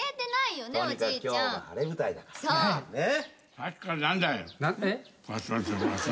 さっきから何だい。